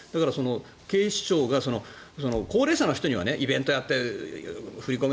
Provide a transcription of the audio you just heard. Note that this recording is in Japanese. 警視庁が高齢者の人にはイベントやって振り込め